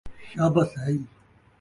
شابس ہئی